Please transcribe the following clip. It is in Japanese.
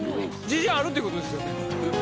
自信あるって事ですよね？